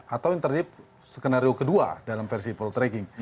atau yang terdiri skenario kedua dalam versi poltracking